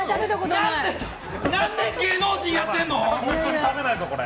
何年、芸能人やってるの？